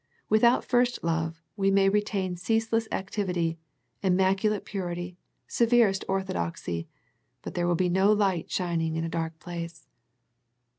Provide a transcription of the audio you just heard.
Without first love we may retain ceaseless activity, im maculate purity, severest orthodoxy, but there will be no light shining in a dark place.